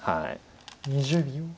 ２０秒。